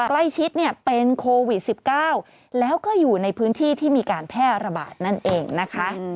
ใกล้ชิดเนี่ยเป็นโควิด๑๙แล้วก็อยู่ในพื้นที่ที่มีการแพร่ระบาดนั่นเองนะคะ